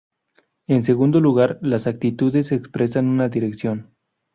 En segundo lugar, las actitudes expresan una dirección.